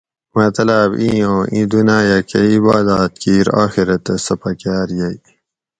مطلاۤب اِیں اُوں اِیں دُناۤیہ کہۤ عباداۤت کِیر آۤخرتہ سہۤ پکاۤر یئ